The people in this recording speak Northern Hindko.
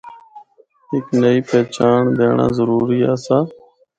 ہک نئی پہچانڑ دینڑا ضروری آسا۔